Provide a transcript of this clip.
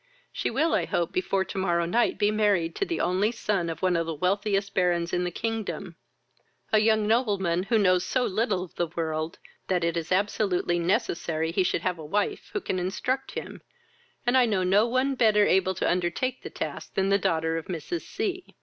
She will, I hope, before to morrow night be married to the only son of one of the wealthiest barons in the kingdom, a young nobleman who knows so little of the world, that it is absolutely necessary he should have a wife who can instruct him, and I know no one better able to undertake the task than the daughter of Mrs. C